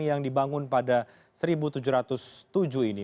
yang dibangun pada seribu tujuh ratus tujuh ini